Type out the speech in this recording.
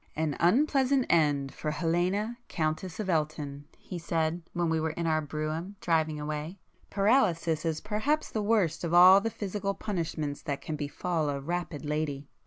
"An unpleasant end for Helena, Countess of Elton"—he said, when we were in our brougham, driving away—"Paralysis is perhaps the worst of all the physical punishments that can befall a 'rapid' lady."